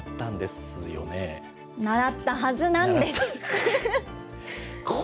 習ったはずなんです。